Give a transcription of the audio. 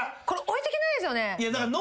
これ置いてけないですよね。